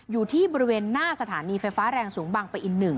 อยู่ที่บริเวณหน้าสถานีไฟฟ้าแรงสูงบางปะอิน๑